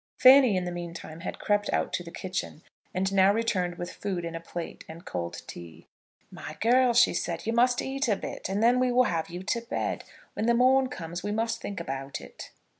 Fanny in the meantime had crept out to the kitchen, and now returned with food in a plate and cold tea. "My girl," she said, "you must eat a bit, and then we will have you to bed. When the morn comes, we must think about it."